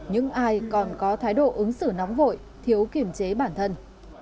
những ai còn có thái độ ứng xử nóng vội thiếu kiểm chế bản thân